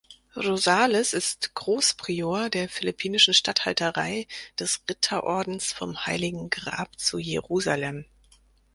Rosales ist Großprior der philippinischen Statthalterei des Ritterordens vom Heiligen Grab zu Jerusalem.